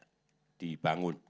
jadi ini adalah yang paling banyak